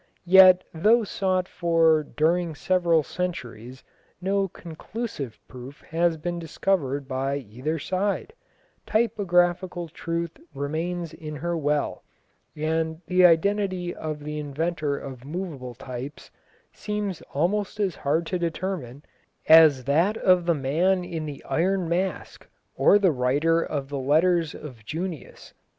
Yet though sought for during several centuries, no conclusive proof has been discovered by either side; typographical truth remains in her well, and the identity of the inventor of moveable types seems almost as hard to determine as that of the man in the iron mask or the writer of the letters of Junius.